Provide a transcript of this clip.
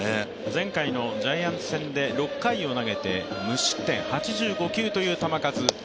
前回のジャイアンツ戦で６回を投げて無失点８５球という球数。